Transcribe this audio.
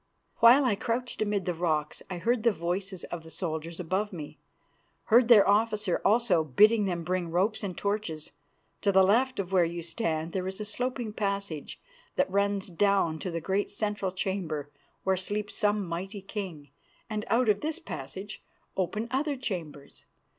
While I crouched amid the rocks I heard the voices of the soldiers above me, heard their officer also bidding them bring ropes and torches. To the left of where you stand there is a sloping passage that runs down to the great central chamber where sleeps some mighty king, and out of this passage open other chambers.